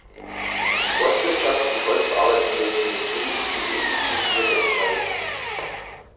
Forstwirtschaft und holzverarbeitende Industrie sind die wichtigsten Wirtschaftszweige.